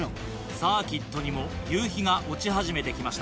サーキットにも夕日が落ち始めて来ました。